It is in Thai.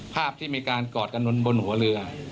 ภาพที่มีการกอดกันบนหัวเรือ